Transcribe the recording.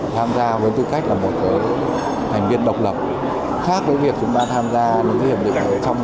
tham gia với tư cách là một thành viên độc lập khác với việc chúng ta tham gia những hiệp định trong